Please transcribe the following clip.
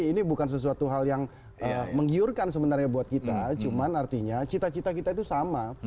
ini bukan sesuatu hal yang menggiurkan sebenarnya buat kita cuman artinya cita cita kita itu sama